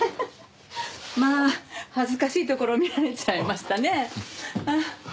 まあ恥ずかしいところを見られちゃいましたね。